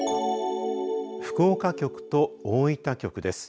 福岡局と大分局です。